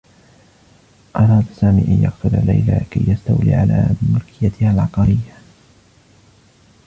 أراد سامي أن يقتل ليلى كي يستولي على ملكيتها العقّاريّة.